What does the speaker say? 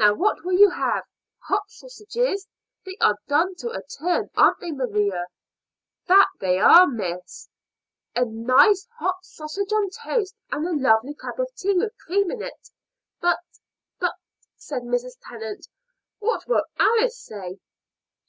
Now what will you have? Hot sausages? They are done to a turn, aren't they, Maria?" "That they are, miss." "A nice hot sausage on toast, and a lovely cup of tea with cream in it." "But but," said Mrs. Tennant, "what will Alice say?"